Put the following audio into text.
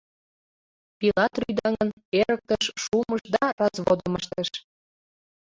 Пилат рӱдаҥын, эрыктыш, шумыш да разводым ыштыш.